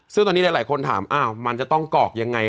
ซึ่งตอนนี้หลายคนถามมันจะต้องกรอกยังไง